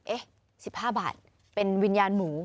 ๑๕บาทเป็นวิญญาณหมู